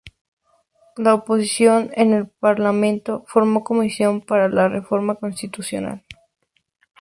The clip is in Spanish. La oposición en el Parlamento formó una comisión para la reforma constitucional.